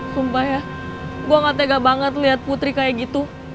sumpah ya gue gak tega banget lihat putri kayak gitu